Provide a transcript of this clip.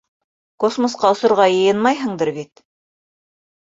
Космосҡа осорға йыйынмайһыңдыр бит.